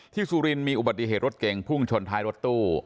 สุรินมีอุบัติเหตุรถเก่งพุ่งชนท้ายรถตู้